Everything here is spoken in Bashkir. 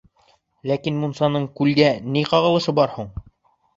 Ләкин мунсаның күлгә ни ҡағылышы бар һуң?